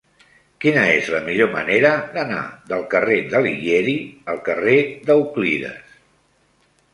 Quina és la millor manera d'anar del carrer d'Alighieri al carrer d'Euclides?